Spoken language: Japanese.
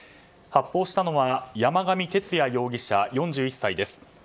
発砲したのは山上徹也容疑者、４１歳です。